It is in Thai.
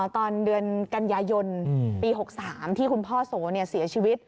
ตอนเดือนกันยายนปี๖๓ที่คุณพ่อโสเสียชีวิต